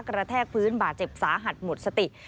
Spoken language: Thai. แทกพื้นบาดเจ็บสาหัสหมดสติ